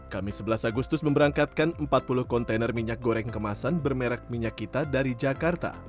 kami sebelas agustus memberangkatkan empat puluh kontainer minyak goreng kemasan bermerek minyak kita dari jakarta